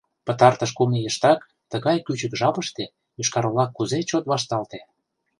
Пытартыш кум ийыштак, тыгай кӱчык жапыште, Йошкар-Ола кузе чот вашталте.